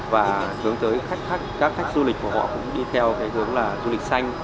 và hướng tới các khách du lịch của họ cũng đi theo cái hướng là du lịch xanh